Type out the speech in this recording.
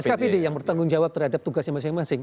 skpd yang bertanggung jawab terhadap tugasnya masing masing